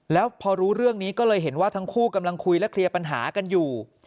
แล้วพอรู้เรื่องนี้ก็เลยเห็นว่าทั้งคู่กำลังคุยและเคลียร์ปัญหากันอยู่